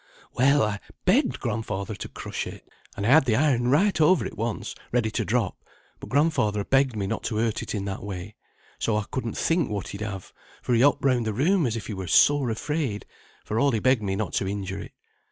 "Well, I begged grandfather to crush it, and I had the iron right over it once, ready to drop, but grandfather begged me not to hurt it in that way. So I couldn't think what he'd have, for he hopped round the room as if he were sore afraid, for all he begged me not to injure it.